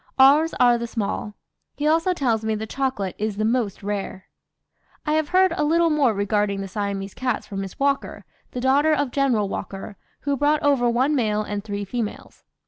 Ours are the small; he also tells me the chocolate is the most rare. "I have heard a little more regarding the Siamese cats from Miss Walker, the daughter of General Walker, who brought over one male and three females.